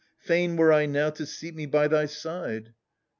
Fain were I now to seat me by thy side.